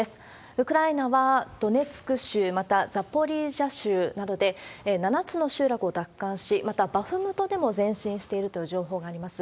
ウクライナは、ドネツク州、またザポリージャ州などで、７つの集落を奪還し、またバフムトでも前進しているという情報があります。